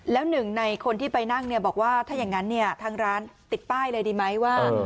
แล้วหนึ่งในคนที่ไปนั่งเนี่ยบอกว่าถ้าอย่างนั้นเนี่ยทางร้านติดป้ายเลยดีไหมว่า